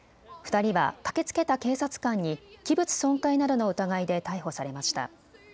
２人は駆けつけた警察官に器物損壊などの疑いで逮捕されました。